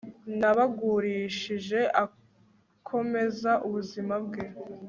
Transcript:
Nabagurishije akomeza ubuzima bwe